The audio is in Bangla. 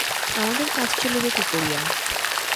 আমাদের কাজ চলিবে কী করিয়া?